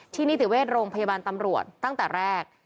นิติเวชโรงพยาบาลตำรวจตั้งแต่แรก